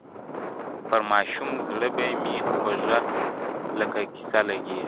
پر ماشوم زړه به مي خوږه لکه کیسه لګېږې -